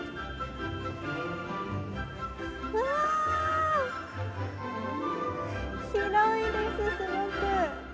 うわぁ、広いです、すごく。